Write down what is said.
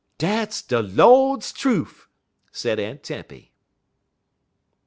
"Dat's de Lord's trufe!" said Aunt Tempy.